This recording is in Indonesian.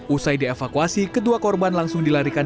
usai dievakuasi kedua korban langsung dilarikan